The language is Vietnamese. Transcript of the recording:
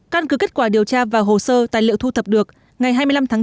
căn cứ kết quả điều tra và hồ sơ tài liệu thu thập được ngày hai mươi năm tháng tám